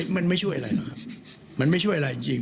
มันไม่ช่วยอะไรนะมันไม่ช่วยอะไรจริง